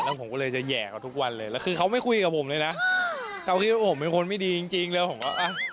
แล้วผมก็เลยจะแห่เขาทุกวันเลยแล้วคือเขาไม่คุยกับผมเลยนะเท่าที่ว่าผมเป็นคนไม่ดีจริงจริงแล้วผมก็อ่ะ